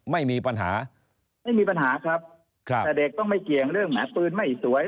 ไม่มีปัญหาไม่มีปัญหาครับแต่เด็กต้องไม่เกี่ยงเรื่องแหมปืนไม่สวย